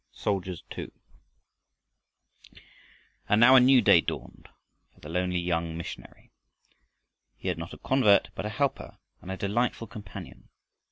SOLDIERS TWO And now a new day dawned for the lonely young missionary. He had not a convert but a helper and a delightful companion.